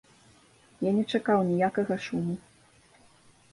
Я не чакаў ніякага шуму.